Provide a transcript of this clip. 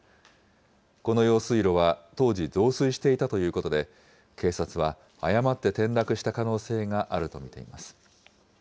この用水路は当時、増水していたということで、警察は誤って転落した可能性があると見ています。